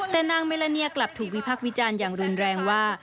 แต่นางเมลาเนียกลับถูกวิพักษ์วิจารณ์อย่างรุนแรงว่า